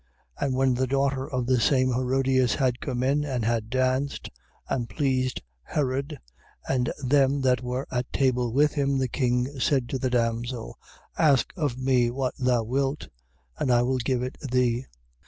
6:22. And when the daughter of the same Herodias had come in, and had danced, and pleased Herod, and them that were at table with him, the king said to the damsel: Ask of me what thou wilt, and I will give it thee.